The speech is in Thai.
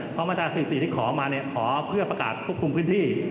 เพราะมาตรา๔๔ที่ขอมาขอเพื่อประกาศควบคุมพื้นที่